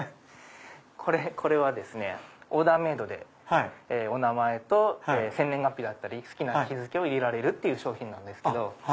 これはオーダーメイドでお名前と生年月日だったり好きな日付を入れられる商品です。